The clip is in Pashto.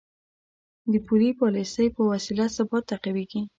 د پولي پالیسۍ په وسیله ثبات تعقیبېږي.